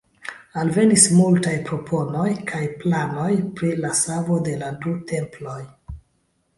Alvenis multaj proponoj kaj planoj pri la savo de la du temploj.